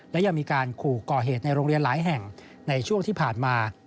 และยังมีการขู่ก่อเหตุในโรงเรียนหลายแห่งในช่วงที่ผ่านมา